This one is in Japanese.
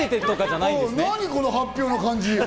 この発表の感じ。